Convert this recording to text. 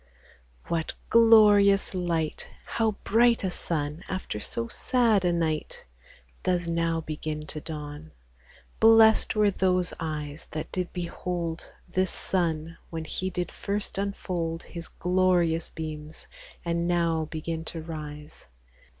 What glorious light ! How bright a Sun after so sad a night Does now begin to dawn ! Bless'd were those eyes That did behold This Sun, when He did first unfold His glorious beams, and now begin to rise.